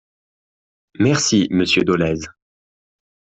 Merci, monsieur Dolez.